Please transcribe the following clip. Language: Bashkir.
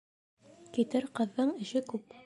Китер ҡыҙҙың эше күп.